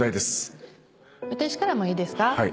私からもいいですか。